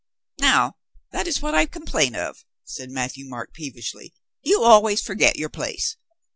"Now, that is what I complain of," said Mat thieu Marc peevishly. "You always forget your place.